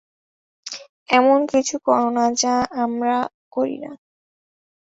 এমন কিছু কোরো না যা আমরা করি না।